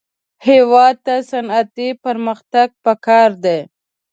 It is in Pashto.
هېواد ته صنعتي پرمختګ پکار دی